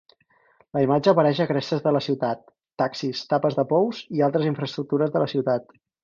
La imatge apareix a crestes de la ciutat, taxis, tapes de pous i altres infraestructures de la ciutat.